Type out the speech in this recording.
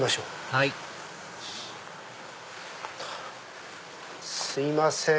はいすいません。